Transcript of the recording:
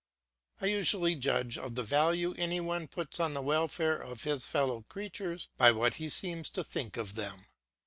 I usually judge of the value any one puts on the welfare of his fellow creatures by what he seems to think of them.